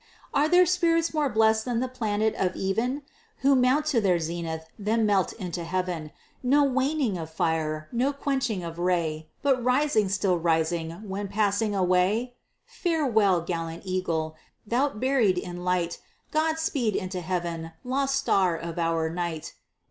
Are there spirits more blest than the "Planet of Even," Who mount to their zenith, then melt into Heaven No waning of fire, no quenching of ray, But rising, still rising, when passing away? Farewell, gallant eagle! thou'rt buried in light! God speed into Heaven, lost star of our night!